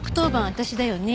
私だよね？